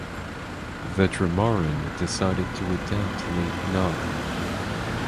Vetrimaaran decided to adapt late Na.